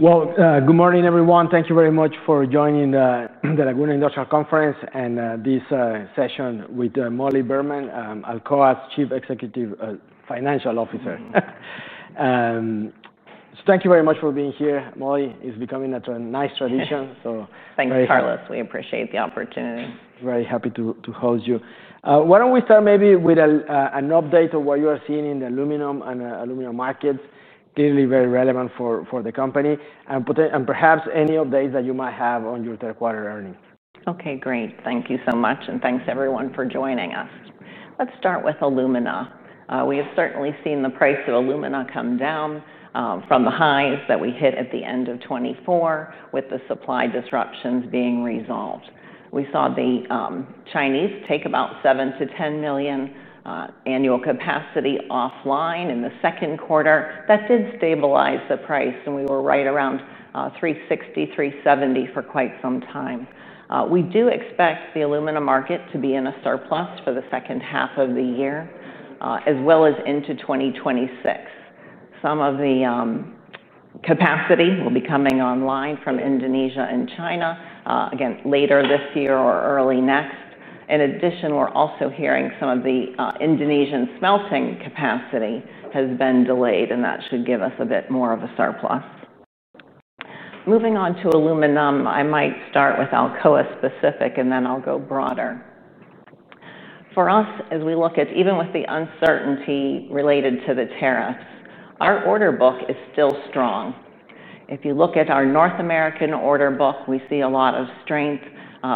Good morning, everyone. Thank you very much for joining the Laguna Industrial Conference and this session with Molly Beerman, Alcoa Corporation's Chief Financial Officer. Thank you very much for being here. Molly, it's becoming a nice tradition. Thanks, Carlos. We appreciate the opportunity. Very happy to host you. Why don't we start maybe with an update on what you are seeing in the alumina and aluminum markets? Clearly, very relevant for the company. Perhaps any updates that you might have on your third-quarter earnings. Okay, great. Thank you so much. Thanks, everyone, for joining us. Let's start with aluminum. We've certainly seen the price of aluminum come down from the highs that we hit at the end of 2024, with the supply disruptions being resolved. We saw the Chinese take about 7 to 10 million annual capacity offline in the second quarter. That did stabilize the price, and we were right around $360, $370 for quite some time. We do expect the aluminum market to be in a surplus for the second half of the year, as well as into 2026. Some of the capacity will be coming online from Indonesia and China, again, later this year or early next. In addition, we're also hearing some of the Indonesian smelting capacity has been delayed, and that should give us a bit more of a surplus. Moving on to aluminum, I might start with Alcoa specific, and then I'll go broader. For us, as we look at even with the uncertainty related to the tariffs, our order book is still strong. If you look at our North American order book, we see a lot of strength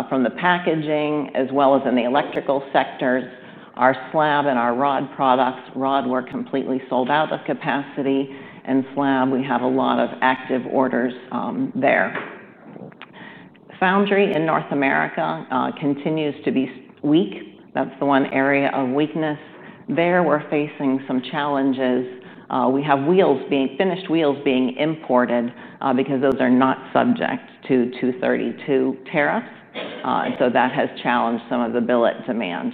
from the packaging, as well as in the electrical sectors. Our slab and our rod products, rod were completely sold out of capacity, and slab, we have a lot of active orders there. Foundry in North America continues to be weak. That's the one area of weakness. There, we're facing some challenges. We have finished wheels being imported because those are not subject to Section 232 tariffs. That has challenged some of the billet demand.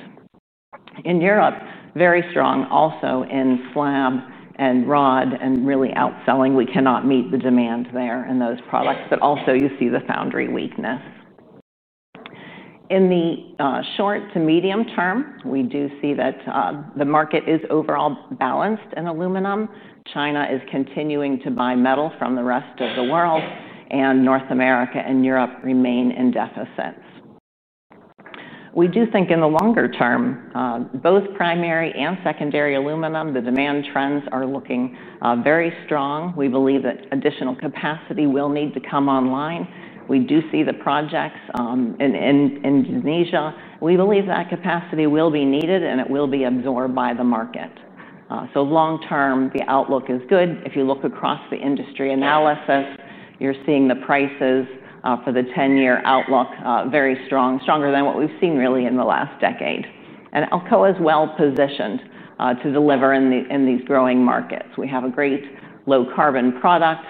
In Europe, very strong also in slab and rod and really outselling. We cannot meet the demand there in those products. Also, you see the foundry weakness. In the short to medium term, we do see that the market is overall balanced in aluminum. China is continuing to buy metal from the rest of the world, and North America and Europe remain in deficits. We do think in the longer term, both primary and secondary aluminum, the demand trends are looking very strong. We believe that additional capacity will need to come online. We do see the projects in Indonesia. We believe that capacity will be needed, and it will be absorbed by the market. Long term, the outlook is good. If you look across the industry analysis, you're seeing the prices for the 10-year outlook very strong, stronger than what we've seen really in the last decade. Alcoa is well positioned to deliver in these growing markets. We have a great low-carbon product,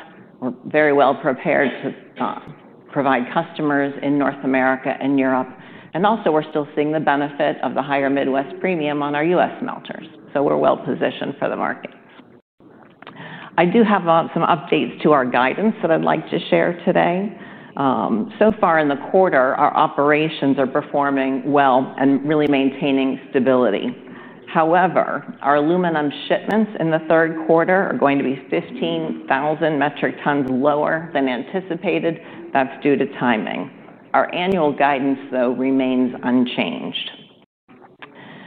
very well prepared to provide customers in North America and Europe. We're still seeing the benefit of the higher Midwest premium on our U.S. smelters. We are well positioned for the markets. I do have some updates to our guidance that I'd like to share today. So far in the quarter, our operations are performing well and really maintaining stability. However, our aluminum shipments in the third quarter are going to be 15,000 metric tons lower than anticipated. That's due to timing. Our annual guidance, though, remains unchanged.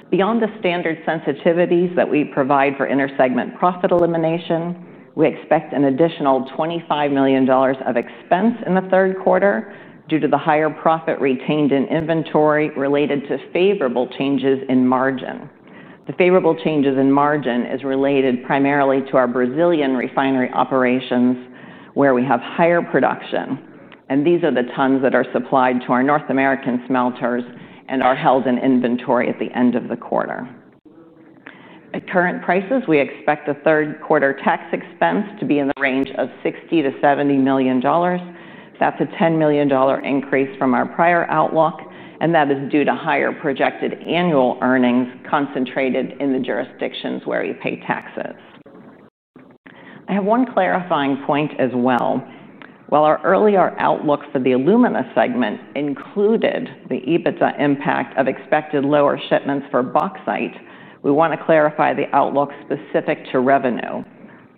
Beyond the standard sensitivities that we provide for inter-segment profit elimination, we expect an additional $25 million of expense in the third quarter due to the higher profit retained in inventory related to favorable changes in margin. The favorable changes in margin are related primarily to our Brazilian refinery operations, where we have higher production. These are the tons that are supplied to our North American smelters and are held in inventory at the end of the quarter. At current prices, we expect a third-quarter tax expense to be in the range of $60 to $70 million. That's a $10 million increase from our prior outlook. That is due to higher projected annual earnings concentrated in the jurisdictions where we pay taxes. I have one clarifying point as well. While our earlier outlook for the aluminum segment included the EBITDA impact of expected lower shipments for bauxite, we want to clarify the outlook specific to revenue.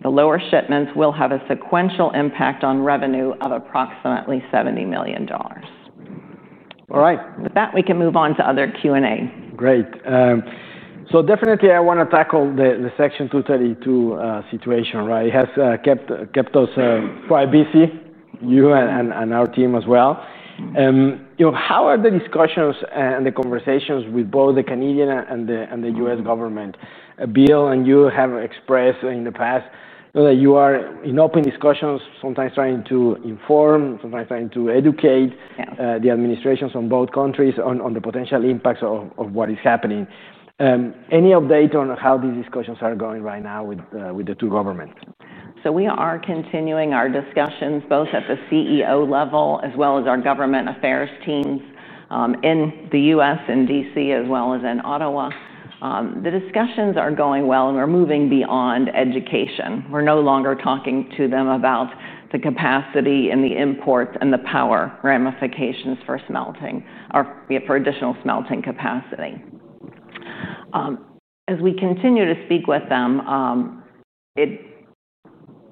The lower shipments will have a sequential impact on revenue of approximately $70 million. All right. With that, we can move on to other Q&A. Great. I want to tackle the Section 232 situation, right? It has kept us quite busy, you and our team as well. How are the discussions and the conversations with both the Canadian and the U.S. government? Bill and you have expressed in the past that you are in open discussions, sometimes trying to inform, sometimes trying to educate the administrations in both countries on the potential impacts of what is happening. Any update on how these discussions are going right now with the two governments? We are continuing our discussions both at the CEO level, as well as our government affairs teams in the U.S., in D.C., as well as in Ottawa. The discussions are going well, and we're moving beyond education. We're no longer talking to them about the capacity and the imports and the power ramifications for smelting or for additional smelting capacity. As we continue to speak with them,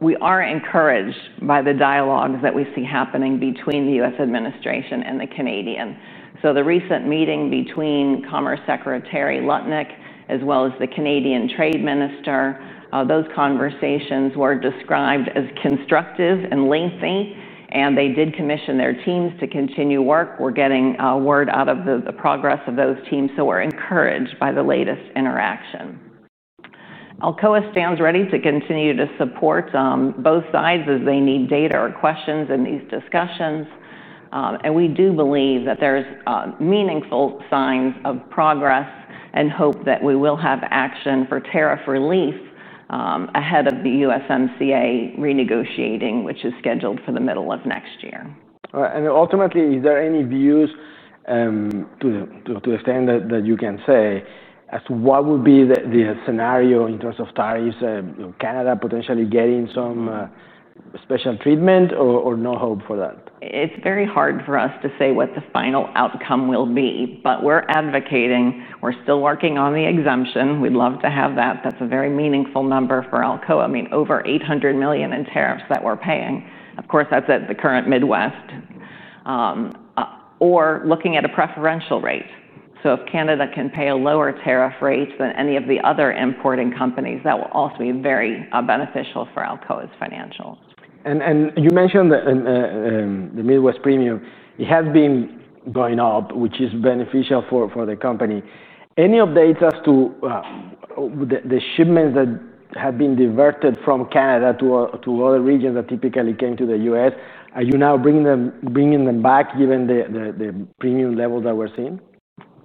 we are encouraged by the dialogue that we see happening between the U.S. administration and the Canadian. The recent meeting between Commerce Secretary Lutnick, as well as the Canadian Trade Minister, those conversations were described as constructive and lengthy, and they did commission their teams to continue work. We're getting word out of the progress of those teams, so we're encouraged by the latest interaction. Alcoa stands ready to continue to support both sides as they need data or questions in these discussions. We do believe that there are meaningful signs of progress and hope that we will have action for tariff relief ahead of the USMCA renegotiating, which is scheduled for the middle of next year. Ultimately, is there any views to the extent that you can say as to what would be the scenario in terms of tariffs? Canada potentially getting some special treatment or no hope for that? It's very hard for us to say what the final outcome will be, but we're advocating. We're still working on the exemption. We'd love to have that. That's a very meaningful number for Alcoa Corporation. I mean, over $800 million in tariffs that we're paying. Of course, that's at the current Midwest. Or looking at a preferential rate. If Canada can pay a lower tariff rate than any of the other importing companies, that will also be very beneficial for Alcoa Corporation's financials. You mentioned that the Midwest premium has been going up, which is beneficial for the company. Any updates as to the shipments that have been diverted from Canada to other regions that typically came to the U.S.? Are you now bringing them back, given the premium levels that we're seeing?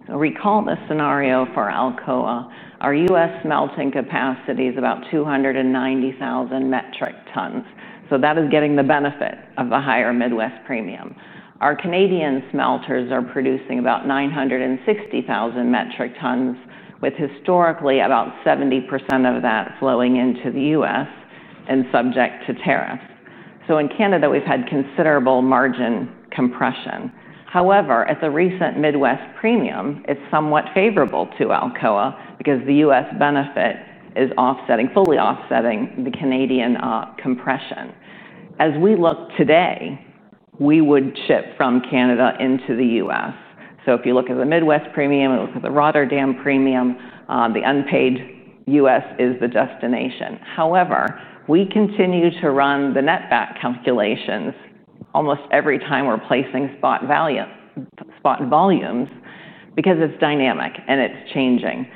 Recall the scenario for Alcoa. Our U.S. smelting capacity is about 290,000 metric tons. That is getting the benefit of the higher Midwest premium. Our Canadian smelters are producing about 960,000 metric tons, with historically about 70% of that flowing into the U.S. and subject to tariffs. In Canada, we've had considerable margin compression. However, at the recent Midwest premium, it's somewhat favorable to Alcoa because the U.S. benefit is fully offsetting the Canadian compression. As we look today, we would ship from Canada into the U.S. If you look at the Midwest premium, you look at the Rotterdam premium, the unpaid U.S. is the destination. We continue to run the net back calculations almost every time we're placing spot volumes because it's dynamic and it's changing.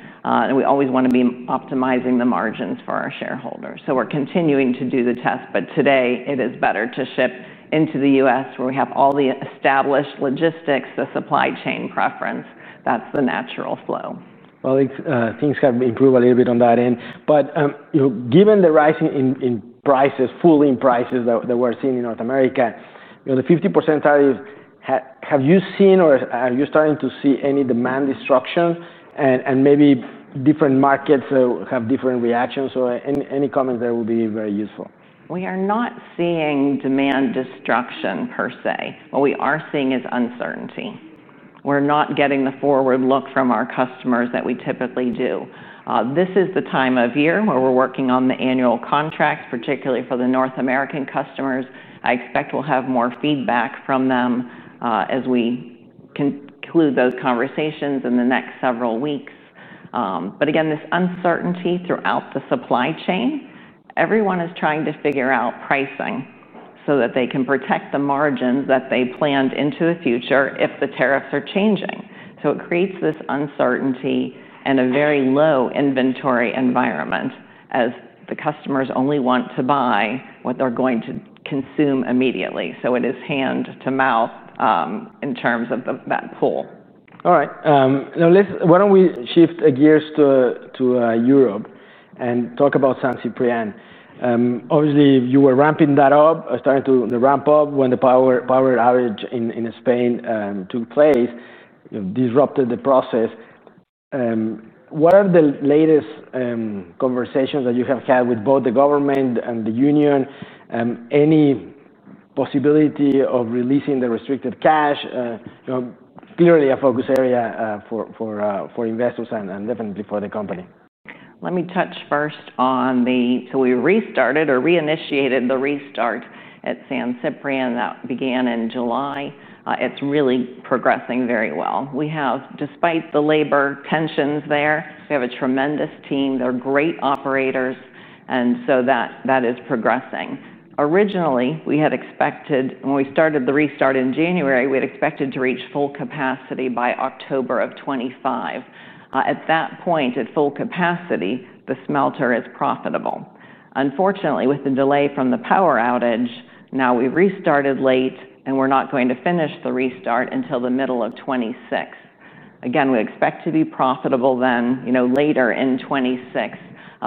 We always want to be optimizing the margins for our shareholders. We're continuing to do the test. Today, it is better to ship into the U.S., where we have all the established logistics, the supply chain preference. That's the natural flow. Things have improved a little bit on that end. Given the rising prices, falling prices that we're seeing in North America, the 50% tariff, have you seen or are you starting to see any demand disruption? Maybe different markets have different reactions. Any comments there would be very useful. We are not seeing demand destruction per se. What we are seeing is uncertainty. We're not getting the forward look from our customers that we typically do. This is the time of year where we're working on the annual contracts, particularly for the North American customers. I expect we'll have more feedback from them as we conclude those conversations in the next several weeks. This uncertainty throughout the supply chain, everyone is trying to figure out pricing so that they can protect the margins that they planned into the future if the tariffs are changing. It creates this uncertainty and a very low inventory environment as the customers only want to buy what they're going to consume immediately. It is hand to mouth in terms of that pool. All right. Now, why don't we shift gears to Europe and talk about San Ciprián. Obviously, you were ramping that up, starting to ramp up when the power outage in Spain took place, disrupted the process. What are the latest conversations that you have had with both the government and the union? Any possibility of releasing the restricted cash? Clearly, a focus area for investors and definitely for the company. Let me touch first on the, we restarted or reinitiated the restart at San Ciprián that began in July. It's really progressing very well. We have, despite the labor tensions there, a tremendous team. They're great operators, and that is progressing. Originally, when we started the restart in January, we had expected to reach full capacity by October 2025. At that point, at full capacity, the smelter is profitable. Unfortunately, with the delay from the power outage, now we restarted late and we're not going to finish the restart until the middle of 2026. Again, we expect to be profitable then, later in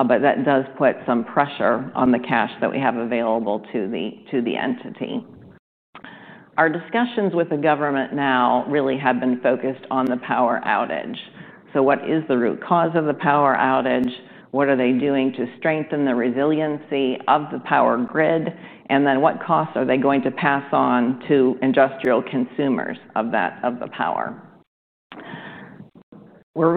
2026. That does put some pressure on the cash that we have available to the entity. Our discussions with the government now have been focused on the power outage. What is the root cause of the power outage? What are they doing to strengthen the resiliency of the power grid? What costs are they going to pass on to industrial consumers of the power? We're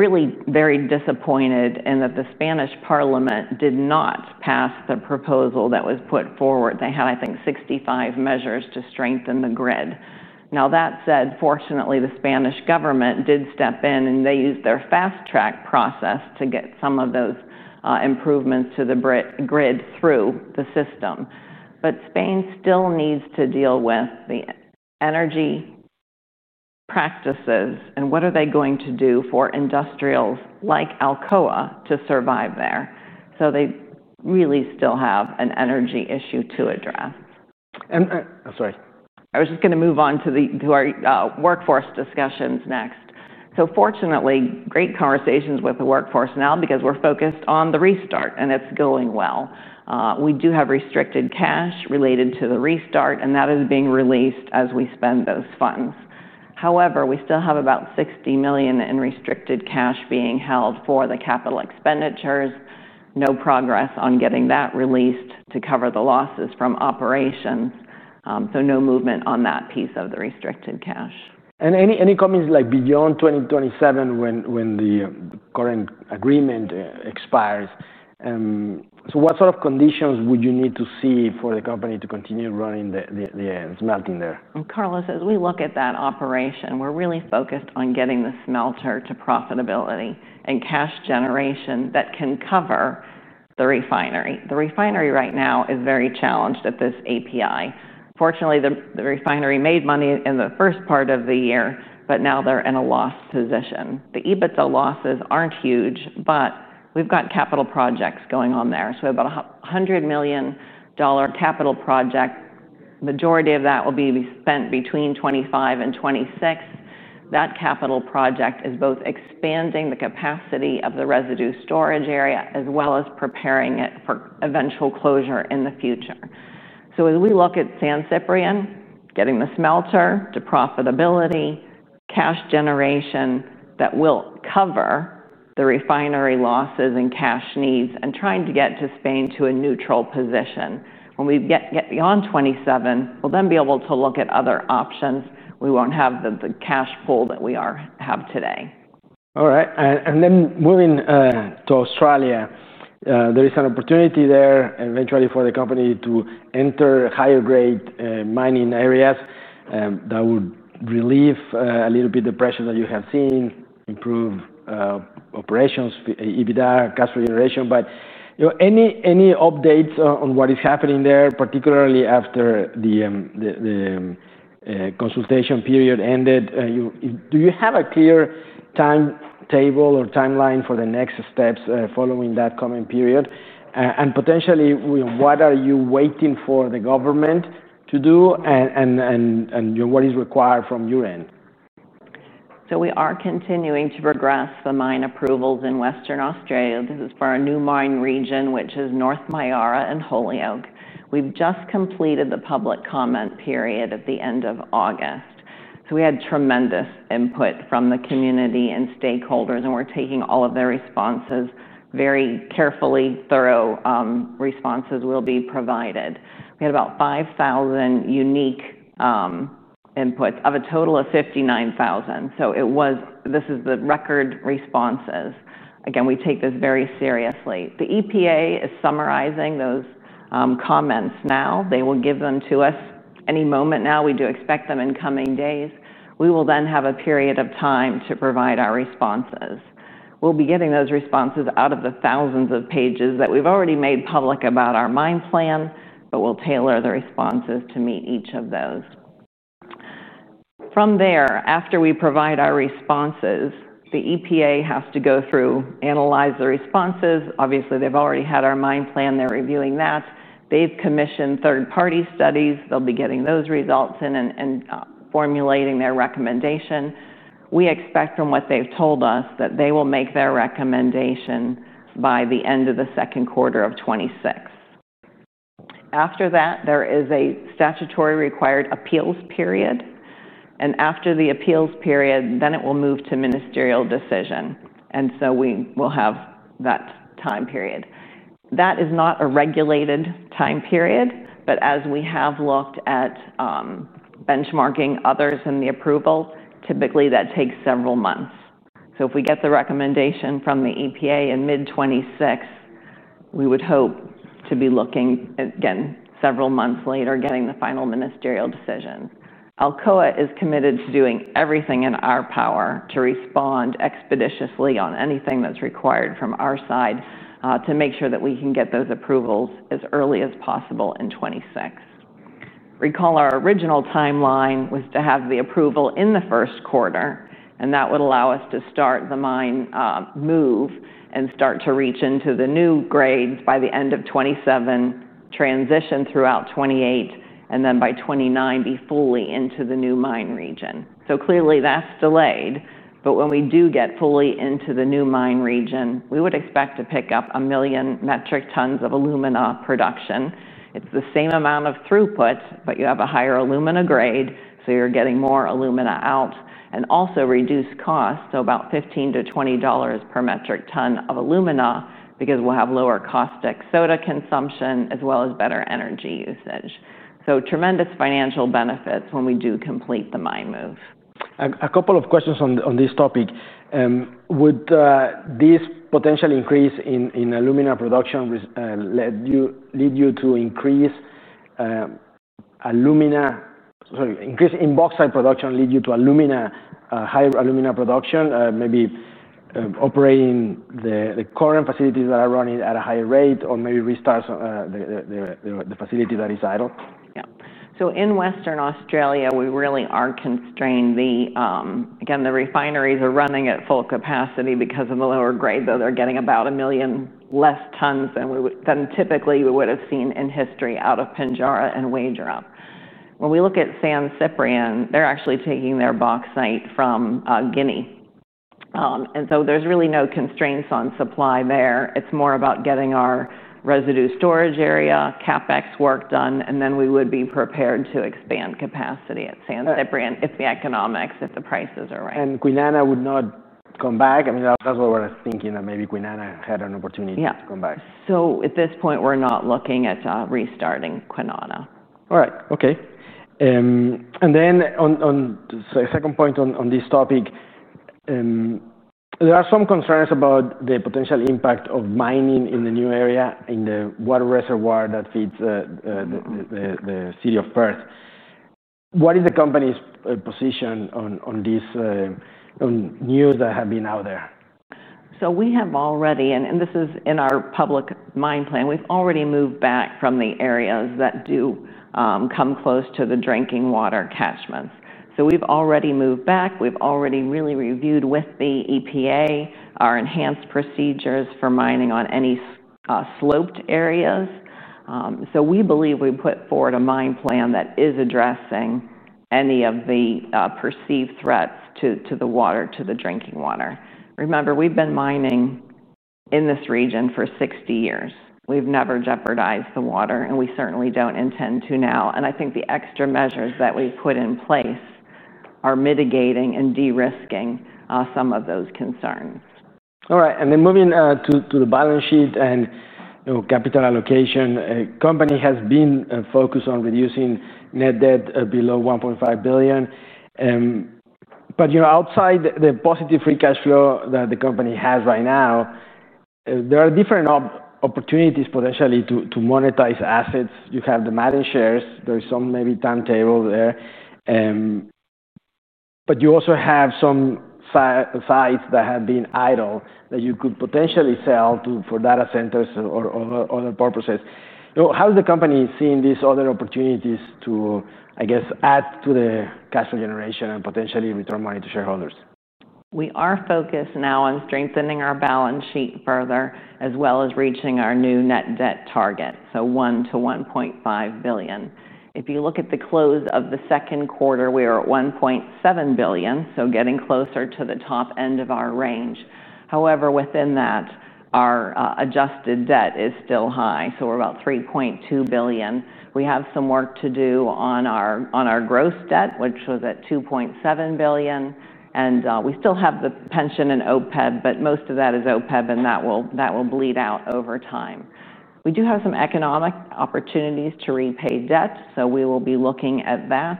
very disappointed that the Spanish Parliament did not pass the proposal that was put forward. They had, I think, 65 measures to strengthen the grid. That said, fortunately, the Spanish government did step in and used their fast-track process to get some of those improvements to the grid through the system. Spain still needs to deal with the energy practices and what they are going to do for industrials like Alcoa to survive there. They really still have an energy issue to address. I'm sorry. I was just going to move on to our workforce discussions next. Fortunately, great conversations with the workforce now because we're focused on the restart and it's going well. We do have restricted cash related to the restart and that is being released as we spend those funds. However, we still have about $60 million in restricted cash being held for the capital expenditures. No progress on getting that released to cover the losses from operations. No movement on that piece of the restricted cash. Are there any comments beyond 2027 when the current agreement expires? What sort of conditions would you need to see for the company to continue running the smelting there? As we look at that operation, we're really focused on getting the smelter to profitability and cash generation that can cover the refinery. The refinery right now is very challenged at this API. Fortunately, the refinery made money in the first part of the year, but now they're in a loss position. The EBITDA losses aren't huge, but we've got capital projects going on there. We have about a $100 million capital project. The majority of that will be spent between 2025 and 2026. That capital project is both expanding the capacity of the residue storage area, as well as preparing it for eventual closure in the future. As we look at San Ciprián, getting the smelter to profitability, cash generation that will cover the refinery losses and cash needs, and trying to get to Spain to a neutral position. When we get beyond 2027, we'll then be able to look at other options. We won't have the cash pool that we have today. All right. Moving to Australia, there is an opportunity there eventually for the company to enter higher grade mining areas that would relieve a little bit the pressure that you have seen, improve operations, EBITDA, cash regeneration. Any updates on what is happening there, particularly after the consultation period ended? Do you have a clear timetable or timeline for the next steps following that coming period? Potentially, what are you waiting for the government to do and what is required from your end? We are continuing to progress the mine approvals in Western Australia. This is for a new mine region, which is North Myara and Holyoake. We've just completed the public comment period at the end of August. We had tremendous input from the community and stakeholders, and we're taking all of their responses. Very carefully, thorough responses will be provided. We had about 5,000 unique inputs out of a total of 59,000. This is the record responses. We take this very seriously. The EPA is summarizing those comments now. They will give them to us any moment now. We do expect them in coming days. We will then have a period of time to provide our responses. We'll be getting those responses out of the thousands of pages that we've already made public about our mine plan, but we'll tailor the responses to meet each of those. From there, after we provide our responses, the EPA has to go through, analyze the responses. Obviously, they've already had our mine plan. They're reviewing that. They've commissioned third-party studies. They'll be getting those results in and formulating their recommendation. We expect from what they've told us that they will make their recommendation by the end of the second quarter of 2026. After that, there is a statutory required appeals period. After the appeals period, it will move to ministerial decision. We will have that time period. That is not a regulated time period, but as we have looked at benchmarking others in the approval, typically that takes several months. If we get the recommendation from the EPA in mid-2026, we would hope to be looking at getting several months later, getting the final ministerial decision. Alcoa Corporation is committed to doing everything in our power to respond expeditiously on anything that's required from our side to make sure that we can get those approvals as early as possible in 2026. Recall our original timeline was to have the approval in the first quarter, and that would allow us to start the mine move and start to reach into the new grades by the end of 2027, transition throughout 2028, and then by 2029 be fully into the new mine region. Clearly, that's delayed. When we do get fully into the new mine region, we would expect to pick up a million metric tons of aluminum production. It's the same amount of throughput, but you have a higher aluminum grade, so you're getting more aluminum out and also reduced costs, about $15 to $20 per metric ton of aluminum because we'll have lower caustic soda consumption, as well as better energy usage. Tremendous financial benefits when we do complete the mine move. A couple of questions on this topic. Would this potential increase in aluminum production lead you to increase in bauxite production, lead you to higher aluminum production, maybe operating the current facilities that are running at a higher rate, or maybe restart the facility that is idle? Yeah. In Western Australia, we really are constrained. The refineries are running at full capacity because of the lower grade, though they're getting about 1 million less tons than typically we would have seen in history out of Pinjarra and Wagerup. When we look at San Ciprián, they're actually taking their bauxite from Guinea. There's really no constraints on supply there. It's more about getting our residue storage area, capital expenditures work done, and then we would be prepared to expand capacity at San Ciprián if the economics and the prices are right. Kwinana would not come back. I mean, that's what we're thinking, that maybe Kwinana had an opportunity to come back. At this point, we're not looking at restarting Kwinana. All right. Okay. On the second point on this topic, there are some concerns about the potential impact of mining in the new area in the water reservoir that feeds the City of Firth. What is the company's position on this news that has been out there? We have already, and this is in our public mine plan, already moved back from the areas that do come close to the drinking water catchments. We have already moved back. We have really reviewed with the EPA our enhanced procedures for mining on any sloped areas. We believe we put forward a mine plan that is addressing any of the perceived threats to the water, to the drinking water. Remember, we've been mining in this region for 60 years. We've never jeopardized the water, and we certainly don't intend to now. I think the extra measures that we put in place are mitigating and de-risking some of those concerns. All right. Moving to the balance sheet and capital allocation, the company has been focused on reducing net debt below $1.5 billion. Outside the positive free cash flow that the company has right now, there are different opportunities potentially to monetize assets. You have the Ma'aden shares. There's some maybe timetable there. You also have some sites that have been idle that you could potentially sell for data centers or other purposes. How is the company seeing these other opportunities to, I guess, add to the cash flow generation and potentially return money to shareholders? We are focused now on strengthening our balance sheet further, as well as reaching our new net debt target, so $1 billion to $1.5 billion. If you look at the close of the second quarter, we are at $1.7 billion, getting closer to the top end of our range. However, within that, our adjusted debt is still high, so we're about $3.2 billion. We have some work to do on our gross debt, which was at $2.7 billion. We still have the pension and OPEB, but most of that is OPEB, and that will bleed out over time. We do have some economic opportunities to repay debt, so we will be looking at that.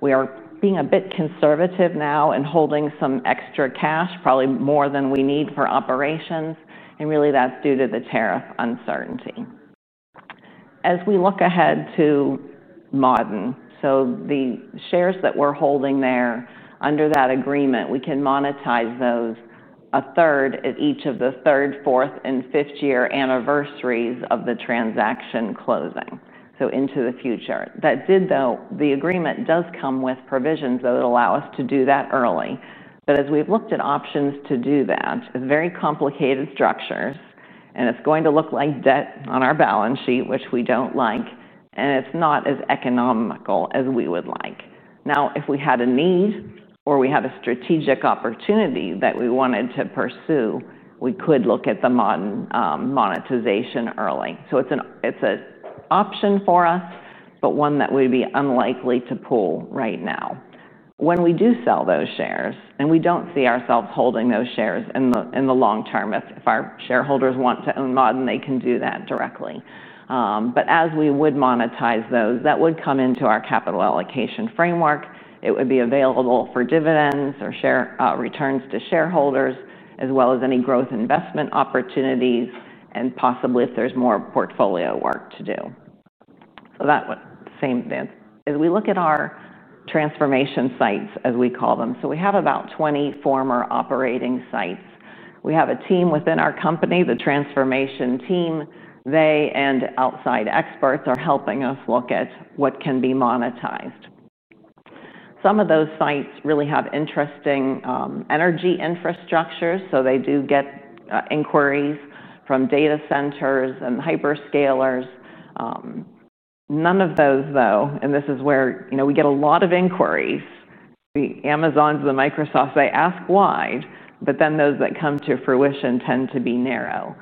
We are being a bit conservative now and holding some extra cash, probably more than we need for operations. Really, that's due to the tariff uncertainty. As we look ahead to Ma'aden, the shares that we're holding there under that agreement, we can monetize those a third at each of the third, fourth, and fifth year anniversaries of the transaction closing, into the future. The agreement does come with provisions that would allow us to do that early. As we've looked at options to do that, it's very complicated structures, and it's going to look like debt on our balance sheet, which we don't like. It's not as economical as we would like. If we had a need or we had a strategic opportunity that we wanted to pursue, we could look at the Ma'aden monetization early. It's an option for us, but one that would be unlikely to pull right now. When we do sell those shares, and we don't see ourselves holding those shares in the long term, if our shareholders want to own Ma'aden, they can do that directly. As we would monetize those, that would come into our capital allocation framework. It would be available for dividends or returns to shareholders, as well as any growth investment opportunities, and possibly if there's more portfolio work to do. That would be the same as we look at our transformation sites, as we call them. We have about 20 former operating sites. We have a team within our company, the transformation team. They and outside experts are helping us look at what can be monetized. Some of those sites really have interesting energy infrastructures. They do get inquiries from data centers and hyperscalers. None of those, though, and this is where we get a lot of inquiries. The Amazons, the Microsofts, they ask wide, but then those that come to fruition tend to be narrow.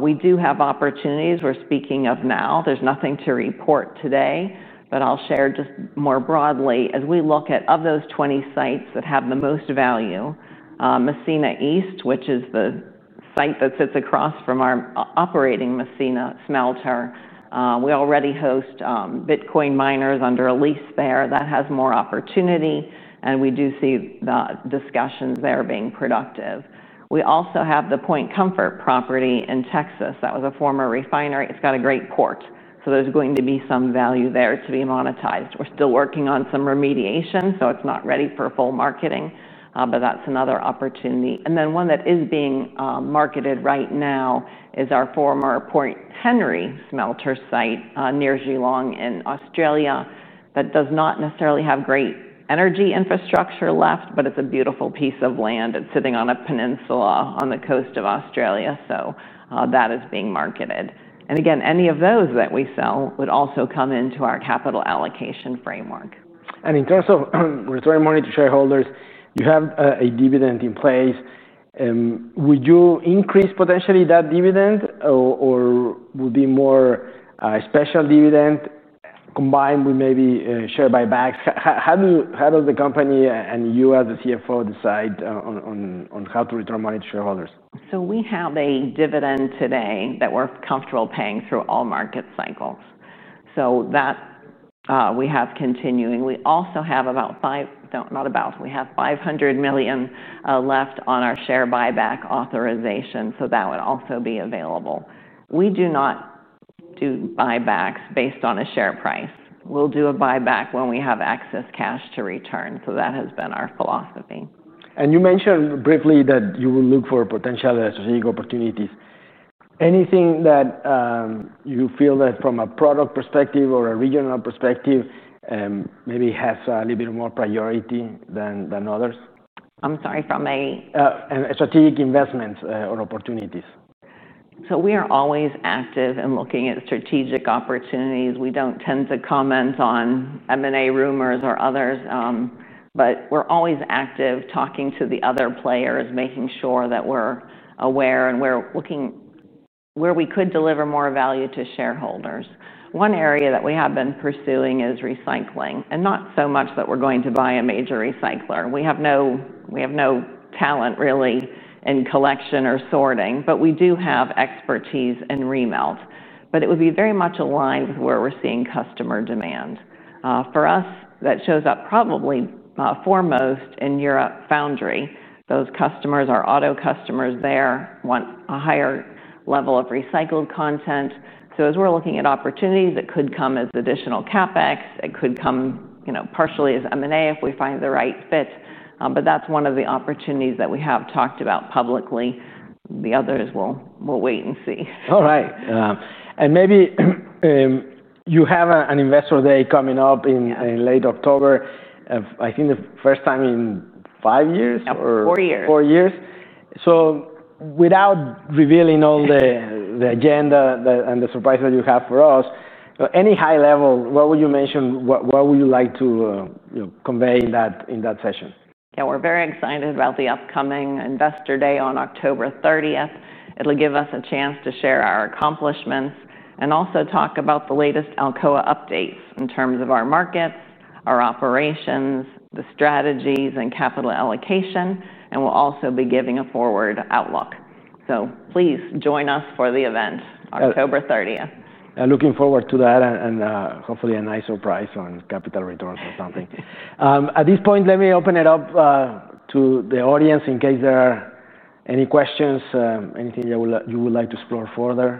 We do have opportunities we're speaking of now. There's nothing to report today, but I'll share just more broadly. As we look at, of those 20 sites that have the most value, Messina East, which is the site that sits across from our operating Messina smelter, we already host Bitcoin miners under a lease there that has more opportunity. We do see the discussions there being productive. We also have the Point Comfort property in Texas. That was a former refinery. It's got a great port, so there's going to be some value there to be monetized. We're still working on some remediation. It's not ready for full marketing, but that's another opportunity. One that is being marketed right now is our former Port Henry smelter site near Geelong in Australia that does not necessarily have great energy infrastructure left, but it's a beautiful piece of land. It's sitting on a peninsula on the coast of Australia. That is being marketed. Any of those that we sell would also come into our capital allocation framework. In terms of returning money to shareholders, you have a dividend in place. Would you increase potentially that dividend or would it be more a special dividend combined with maybe share buybacks? How does the company and you as the CFO decide on how to return money to shareholders? We have a dividend today that we're comfortable paying through all market cycles, so that we have continuing. We also have $500 million left on our share buyback authorization, so that would also be available. We do not do buybacks based on a share price. We'll do a buyback when we have excess cash to return. That has been our philosophy. You mentioned briefly that you will look for potential strategic opportunities. Anything that you feel that from a product perspective or a regional perspective maybe has a little bit more priority than others? I'm sorry, from a? Strategic investments or opportunities. We are always active in looking at strategic opportunities. We don't tend to comment on M&A rumors or others, but we're always active talking to the other players, making sure that we're aware and we're looking where we could deliver more value to shareholders. One area that we have been pursuing is recycling, and not so much that we're going to buy a major recycler. We have no talent really in collection or sorting, but we do have expertise in remelt. It would be very much aligned with where we're seeing customer demand. For us, that shows up probably foremost in Europe foundry. Those customers are auto customers there, want a higher level of recycled content. As we're looking at opportunities, it could come as additional CapEx. It could come partially as M&A if we find the right fit. That's one of the opportunities that we have talked about publicly. The others we'll wait and see. All right. You have an investor day coming up in late October. I think the first time in five years? Four years. Four years. Without revealing all the agenda and the surprise that you have for us, any high level, what would you mention, what would you like to convey in that session? Yeah, we're very excited about the upcoming investor day on October 30th. It'll give us a chance to share our accomplishments and also talk about the latest Alcoa Corporation updates in terms of our markets, our operations, the strategies, and capital allocation. We'll also be giving a forward outlook. Please join us for the event, October 30th. Looking forward to that and hopefully a nice surprise on capital returns or something. At this point, let me open it up to the audience in case there are any questions, anything you would like to explore further.